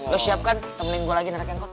lo siap kan temelin gue lagi narik angkot